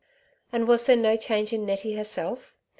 And was there no change in Nettie herself?